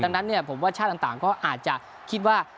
ดังนั้นผมว่าชาติต่างก็อาจจะคิดว่า